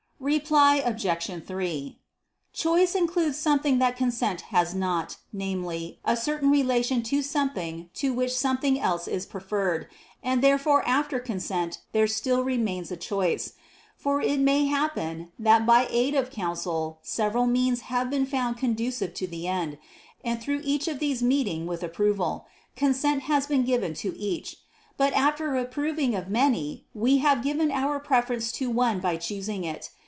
Reply Obj. 3: Choice includes something that consent has not, namely, a certain relation to something to which something else is preferred: and therefore after consent there still remains a choice. For it may happen that by aid of counsel several means have been found conducive to the end, and through each of these meeting with approval, consent has been given to each: but after approving of many, we have given our preference to one by choosing it.